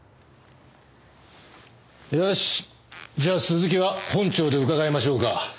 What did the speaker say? よしじゃあ続きは本庁で伺いましょうか。